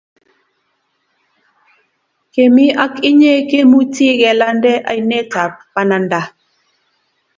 kemi ak inye kemuchi ke lande ainet ab bananda